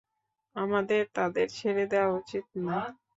আমাদের তাদের ছেড়ে দেওয়া উচিত নয়।